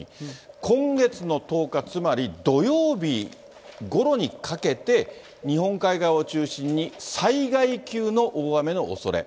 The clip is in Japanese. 今月の１０日、つまり土曜日ごろにかけて、日本海側を中心に災害級の大雨のおそれ。